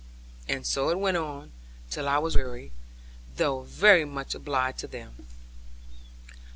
And so it went on, till I was weary; though very much obliged to them.